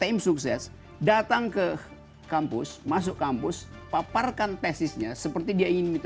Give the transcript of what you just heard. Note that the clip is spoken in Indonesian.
kalau kamu sukses datang ke kampus masuk kampus paparkan tesisnya seperti dia ingin